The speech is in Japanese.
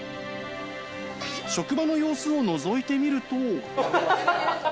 職場の様子をのぞいてみると。